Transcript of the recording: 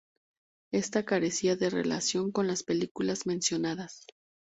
Ésta carecía de relación con las películas mencionadas.